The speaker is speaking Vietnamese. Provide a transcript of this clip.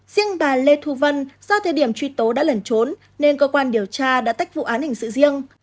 riêng bà lê thu vân do thời điểm truy tố đã lẩn trốn nên cơ quan điều tra đã tách vụ án hình sự riêng